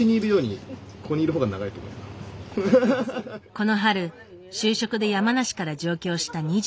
この春就職で山梨から上京した２２歳。